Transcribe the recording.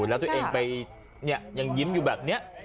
แล้วตัวเองไปยังยิ้มอยู่แบบนี้